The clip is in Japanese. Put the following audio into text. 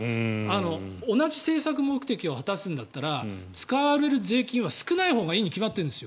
同じ政策目的を果たすんだったら使われる税金は少ないほうがいいに決まってるんです。